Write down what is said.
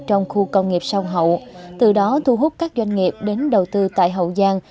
trong khu công nghiệp sông hậu từ đó thu hút các doanh nghiệp đến đầu tư tại hậu giang